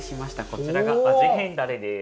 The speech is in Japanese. こちらが味変だれです。